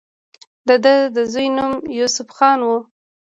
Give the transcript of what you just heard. د دۀ د زوي نوم يوسف خان وۀ